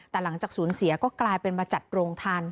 แต่หลังจากศูนย์เสียก็กลายเป็นมาจัดโรงทาน